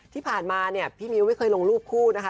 ที่ผ่านมาเนี่ยพี่มิ้วไม่เคยลงรูปคู่นะคะ